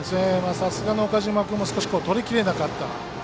さすがの岡島君も少しとりきれなかった。